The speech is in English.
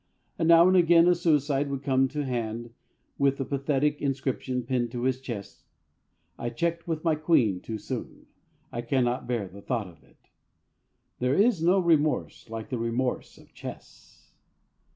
And now and again a suicide would come to hand with the pathetic inscription pinned to his chest: "I checked with my Queen too soon. I cannot bear the thought of it." There is no remorse like the remorse of chess.